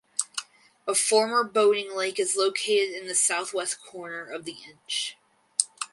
A former boating lake is located in the southwest corner of the inch.